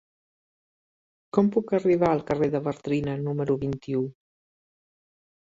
Com puc arribar al carrer de Bartrina número vint-i-u?